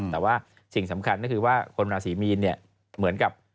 แต่ว่าสิ่งสำคัญก็คือว่าคนราศีมีนเนี่ยเหมือนกับ